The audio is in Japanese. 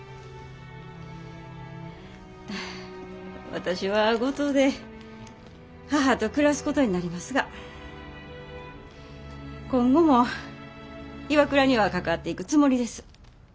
私は五島で母と暮らすことになりますが今後もＩＷＡＫＵＲＡには関わっていくつもりです。